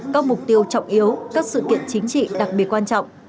các mục tiêu trọng yếu các sự kiện chính trị đặc biệt quan trọng